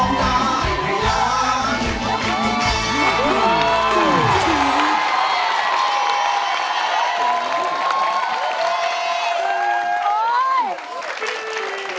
ด้านหลัง